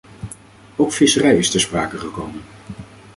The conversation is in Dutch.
Ook visserij is ter sprake gekomen.